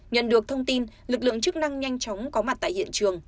nhận được thông tin lực lượng chức năng nhanh chóng có mặt tại hiện trường